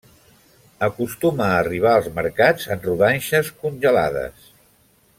Acostuma a arribar als mercats en rodanxes congelades.